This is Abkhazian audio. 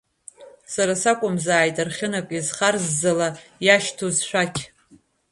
Сара сакәымзааит архьынак изхарззала иашьҭоу зшәақь.